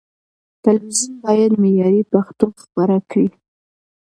تلويزيون بايد معياري پښتو خپره کړي.